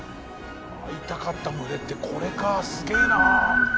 会いたかった群れってこれかすげぇな。